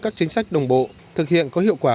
các chính sách đồng bộ thực hiện có hiệu quả